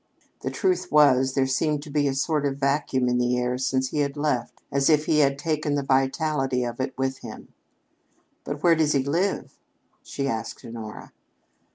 The truth was, there seemed to be a sort of vacuum in the air since he had left as if he had taken the vitality of it with him. "But where does he live?" she asked Honora.